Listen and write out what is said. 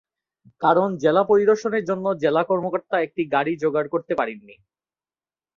কারণ জেলা পরিদর্শনের জন্য জেলা কর্মকর্তা একটি গাড়ি যোগাড় করতে পারেন নি।